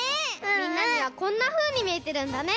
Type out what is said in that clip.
みんなにはこんなふうにみえてるんだね。